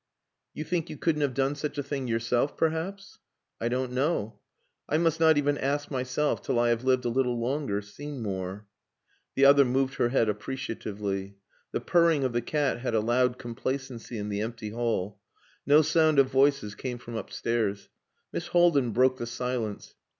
"You think you couldn't have done such a thing yourself perhaps?" "I don't know. I must not even ask myself till I have lived a little longer, seen more...." The other moved her head appreciatively. The purring of the cat had a loud complacency in the empty hall. No sound of voices came from upstairs. Miss Haldin broke the silence.